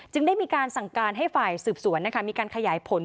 ได้มีการสั่งการให้ฝ่ายสืบสวนมีการขยายผล